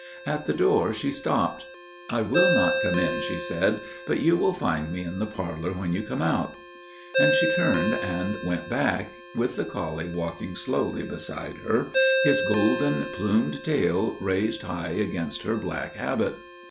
"At the door she stopped. "'I will not come in,' she said, 'but you will find me in the parlour when you come out.' "And she turned and went back, with the collie walking slowly beside her, his golden plumed tail raised high against her black habit.